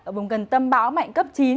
ở vùng gần tâm báo mạnh cấp chín